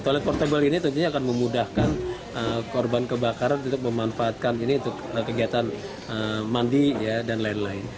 toilet portable ini tentunya akan memudahkan korban kebakaran untuk memanfaatkan ini untuk kegiatan mandi dan lain lain